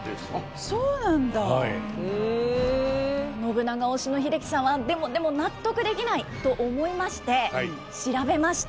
信長推しの英樹さんは「でもでも納得できない」と思いまして調べました。